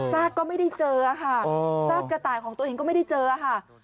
ซากก็ไม่ได้เจอค่ะซากกระต่ายของตัวเองก็ไม่ได้เจอค่ะ